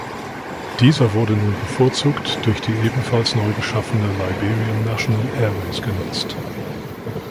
Dieser wurde nun bevorzugt durch die ebenfalls neu geschaffene Liberian National Airways genutzt.